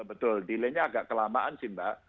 betul delaynya agak kelamaan sih mbak